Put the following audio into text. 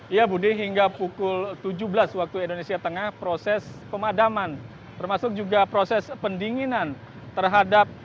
ya budi hingga pukul tujuh belas waktu indonesia tengah proses pemadaman termasuk juga proses pendinginan terhadap